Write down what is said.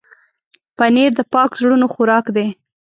پنېر د پاک زړونو خوراک دی.